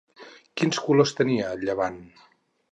Quins colors tenia el llevant?